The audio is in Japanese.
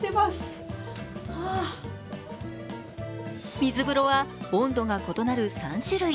水風呂は温度が異なる３種類。